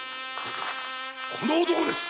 この男です！